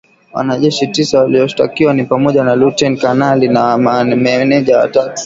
Wanajeshi tisa walioshtakiwa ni pamoja na lutein kanali na mameneja watatu